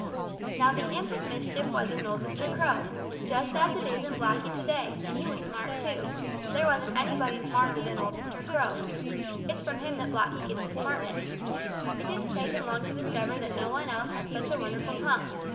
"Now the imp of mischief was in old Mr. Crow, just as it is in Blacky to day, and he was smart too. There wasn't anybody smarter than old Mr. Crow. It's from him that Blacky gets his smartness. It didn't take him long to discover that no one else had such a wonderful tongue.